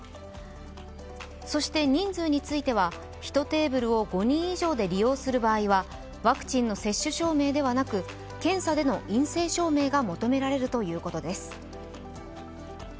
そして人数については、１テーブルを５人以上で利用する場合はワクチンの接種証明ではなく検査での陰性証明が求められるということです。